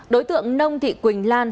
đối tượng nông thị quỳnh lan